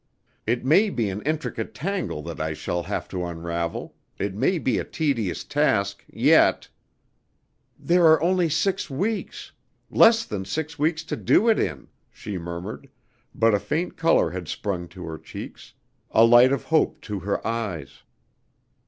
It may be an intricate tangle that I shall have to unravel, it may be a tedious task, yet " "There are only six weeks less than six weeks to do it in!" she murmured, but a faint colour had sprung to her cheeks, a light of hope to her eyes.